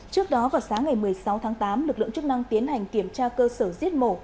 trước đó vào sáng ngày một mươi sáu tháng tám lực lượng chức năng tiến hành kiểm tra cơ sở giết mổ